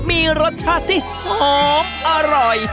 มีรสชาติที่หอมอร่อย